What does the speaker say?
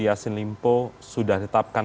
yasin limpo sudah tetapkan